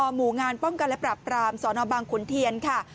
หมู่งานป้องกันและปรับปรามสนบางขุนเทียนค่ะ